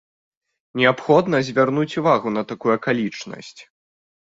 Неабходна звярнуць увагу на такую акалічнасць.